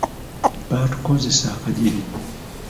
Baatukoozesa akajiri.